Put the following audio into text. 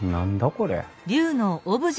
これ。